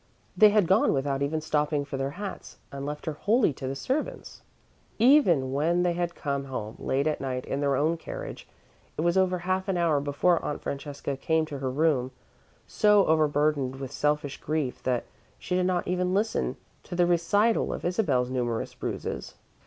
They had gone without even stopping for their hats, and left her wholly to the servants. Even when they had come home, late at night, in their own carriage, it was over half an hour before Aunt Francesca came to her room, so overburdened with selfish grief that she did not even listen to the recital of Isabel's numerous bruises.